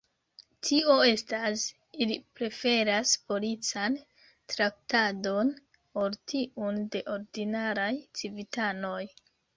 Tio estas, ili preferas polican traktadon ol tiun de ordinaraj civitanoj.